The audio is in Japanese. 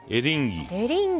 エリンギ。